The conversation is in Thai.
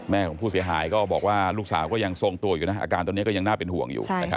ของผู้เสียหายก็บอกว่าลูกสาวก็ยังทรงตัวอยู่นะอาการตอนนี้ก็ยังน่าเป็นห่วงอยู่นะครับ